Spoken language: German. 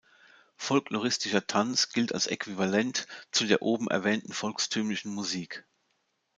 Folkloristischer Tanz gilt als äquivalent zu der oben erwähnten volkstümlichen Musik.